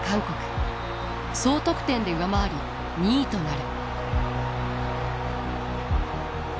総得点で上回り２位となる。